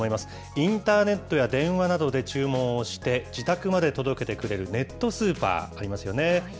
インターネットや電話などで注文をして、自宅まで届けてくれるネットスーパー、ありますよね。